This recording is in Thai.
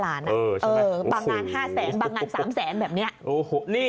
บางงาน๕แสนบางงาน๓แสนแบบนี้